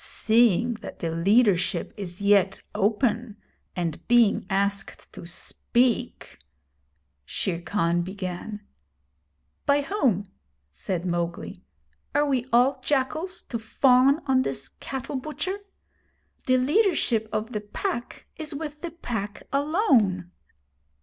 'Seeing that the leadership is yet open, and being asked to speak ' Shere Khan began. 'By whom?' said Mowgli. 'Are we all jackals, to fawn on this cattle butcher? The leadership of the Pack is with the Pack alone.'